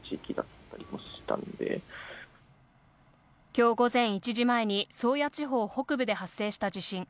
今日午前１時前に宗谷地方北部で発生した地震。